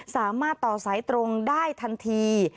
สามารถต่อสายตรงได้ทันที